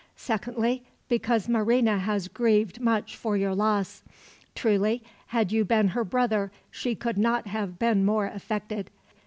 Secondly, because Marina has grieved much for your loss. Truly, had you been her brother she could not have been more affected.